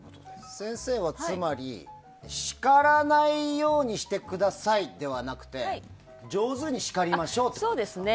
先生はつまり叱らないようにしてくださいではなくて上手に叱りましょうってことですね。